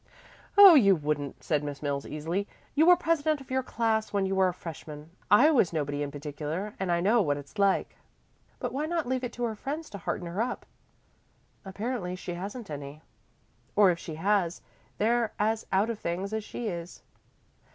"Oh, you wouldn't," said Miss Mills easily. "You were president of your class when you were a freshman. I was nobody in particular, and I know what it's like." "But why not leave it to her friends to hearten her up?" "Apparently she hasn't any, or if she has, they're as out of things as she is."